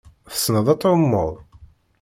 Tessneḍ ad tɛummeḍ?